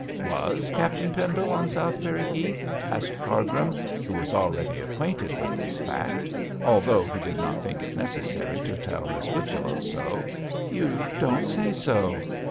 'Was Captain Pendle on Southberry Heath?' asked Cargrim, who was already acquainted with this fact, although he did not think it necessary to tell Miss Whichello so. 'You don't say so?'